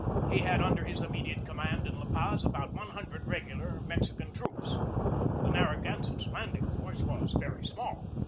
He had under his immediate command in La Paz about one hundred regular Mexican troops. The Narragansett's landing force was very small.